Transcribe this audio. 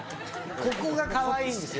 ここがかわいいんですよ。